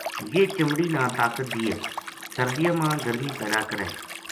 یہ چمڑی نا طاقت دیئے سردیاں ما گرمی پیدا کرے